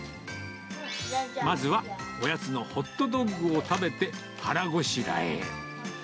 まずは、おやつのホットドッグを食べて、腹ごしらえ。